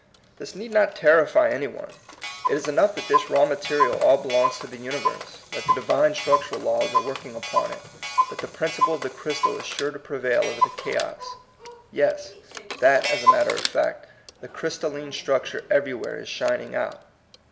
This need not terrify 74 THE COMING PEOPLE, any one. It is enough that this raw mate rial all belongs to the universe, that the divine structural laws are working upon it, that the principle of the crystal is sui*e to prevail over the chaos, — yes, that, as matter of fact, the crystalline structure everywhere is shining out.